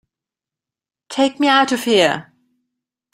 Take me out of here!